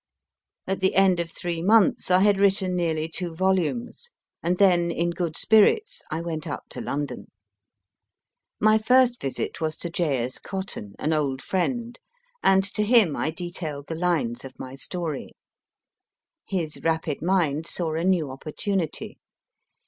? At the end of three months I had written nearly two volumes, and then in good spirits I went up to London. My first visit was to J. S. Cotton, an old friend, and to him I detailed the lines of my story. His rapid mind saw a new opportunity.